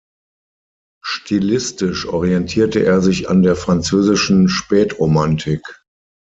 Stilistisch orientierte er sich an der französischen Spätromantik.